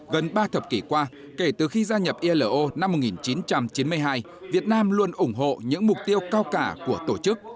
gần ba thập kỷ qua kể từ khi gia nhập ilo năm một nghìn chín trăm chín mươi hai việt nam luôn ủng hộ những mục tiêu cao cả của tổ chức